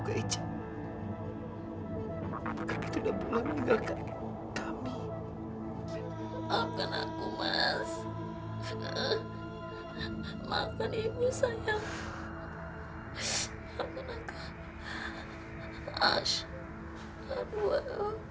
agar kita selalu mendapat peridon dari allah swt